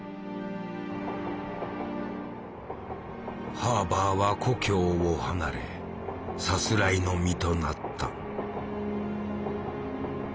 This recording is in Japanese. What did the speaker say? ハーバーは故郷を離れさすらいの身となった。